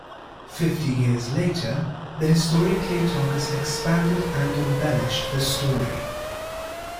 Fifty years later, the historian Cleitarchus expanded and embellished the story.